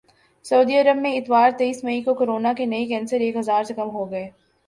سعودی عرب میں اتوار تیس مئی کو کورونا کے نئے کیسز ایک ہزار سے کم ہوگئے